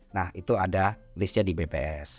nah itu ada listnya di bps